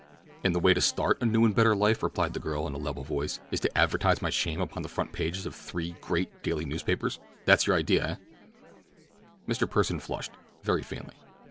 "And the way to start a new and better life," replied the girl in a level voice, "is to advertise my shame upon the front pages of three great daily newspapers—that's your idea, eh?" Mr. Pursen flushed, very faintly.